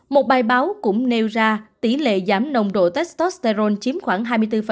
một bài báo cũng nêu ra tỷ lệ giảm nồng độ testosterone chiếm khoảng hai mươi bốn